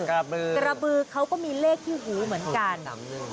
กระบือกระบือเขาก็มีเลขที่หูเหมือนกัน